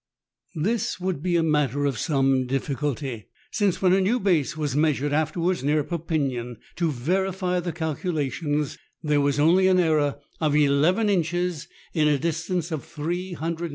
This would be a matter of some difficulty : since when a new base was measured afterwards near Perpignan to verify the calculations, there was only an error of 1 1 inches in a distance of 330,000 toises.